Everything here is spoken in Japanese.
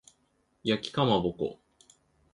焼きかまぼこ